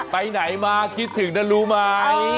ไปไหนมาคิดถึงนะรู้ไหม